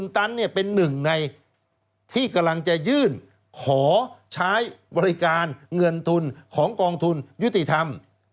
ทางจะยื่นขอใช้บริการเงินทุนของกองทุนยุติธรรม